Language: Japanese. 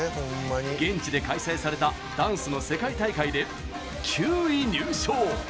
現地で開催されたダンスの世界大会で９位入賞。